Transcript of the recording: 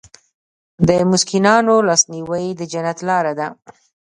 د مسکینانو لاسنیوی د جنت لاره ده.